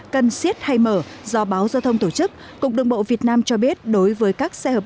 cần siết hay mở do báo giao thông tổ chức cục đường bộ việt nam cho biết đối với các xe hợp